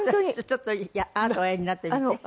ちょっとあなたおやりになってみて。